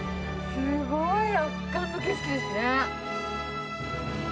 すごい、圧巻の景色ですね。